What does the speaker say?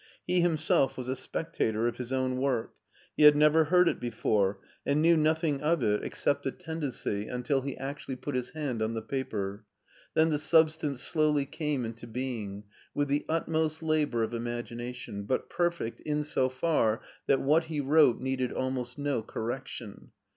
He himself was a spectator of his own work. He had never heard it before^ and knew nothing of it except SCHWARZWALD 257 the tendency until he actually put his hand on the paper. Then the substance slowly came into being, with the utmost labor of imagination, but perfect in so far that what he wrote needed almost no correc tion.